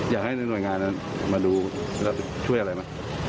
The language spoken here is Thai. อยากให้หน่วยงานมาดูช่วยอะไรมั้ย